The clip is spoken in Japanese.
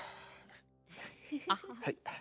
あっはい。